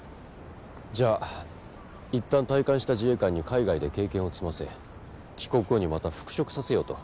じゃあいったん退官した自衛官に海外で経験を積ませ帰国後にまた復職させようと？